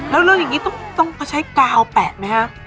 แล้วเรื่องอย่างนี้ต้องเขาใช้กาวแปะไหมฮะ